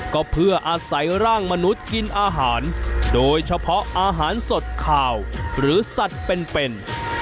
ก็เพื่ออาศัยร่างมนุษย์กินอาหารโดยเฉพาะอาหารสดขาวหรือสัตว์เป็น